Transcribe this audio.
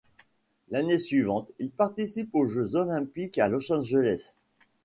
L'année suivante, il participe aux Jeux olympiques à Los Angeles.